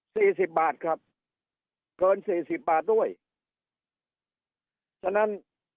สิบบาทครับเกินสี่สิบบาทด้วยฉะนั้น